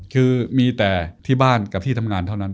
คือมีแต่ที่บ้านกับที่ทำงานเท่านั้น